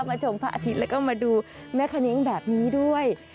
มาชมพระอาทิตย์แล้วก็มาดูแม่คณิ้งแบบนี้ด้วย